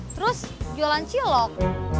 terus jualan cilok